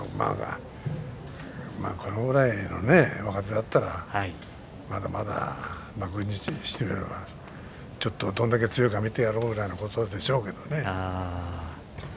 これぐらいの若手だったらねまだまだ幕内にしてみれば、ちょっとどんだけ強いか見てやろうというようなもんでしょうけどね。